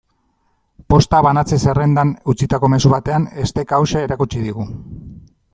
Posta banatze-zerrendan utzitako mezu batean esteka hauxe erakutsi digu.